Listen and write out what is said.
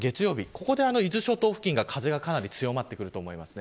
ここで伊豆諸島付近が風がかなり強まってきます。